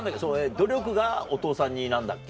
努力がお父さん似なんだっけ。